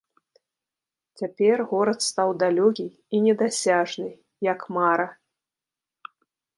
Цяпер горад стаў далёкі і недасяжны, як мара.